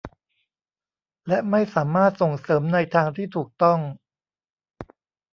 และไม่สามารถส่งเสิรมในทางที่ถูกต้อง